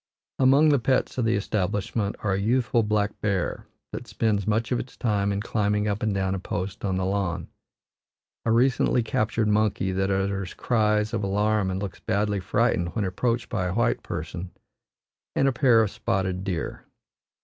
Among the pets of the establishment are a youthful black bear that spends much of its time in climbing up and down a post on the lawn, a recently captured monkey that utters cries of alarm and looks badly frightened when approached by a white person, and a pair of spotted deer.